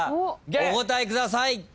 お答えください。